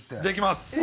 できます。